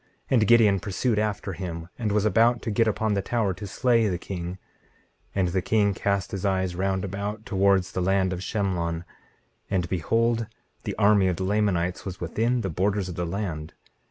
19:6 And Gideon pursued after him and was about to get upon the tower to slay the king, and the king cast his eyes round about towards the land of Shemlon, and behold, the army of the Lamanites were within the borders of the land.